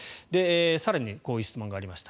更にこういう質問がありました。